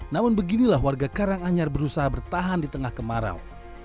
namun beginilah warga karanganyar berusaha bertahan di tengah kemarau